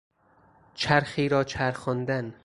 چرخی را چرخاندن